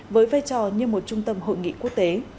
với vai trò như một trung tâm hội nghị quốc tế